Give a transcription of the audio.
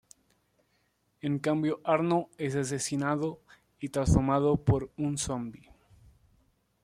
En cambio Arno es asesinado y transformado por un zombi.